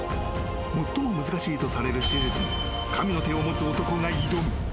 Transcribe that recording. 最も難しいとされる手術に神の手を持つ男が挑む。